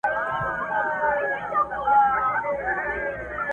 بلبلو باندي اوري آفتونه لکه غشي٫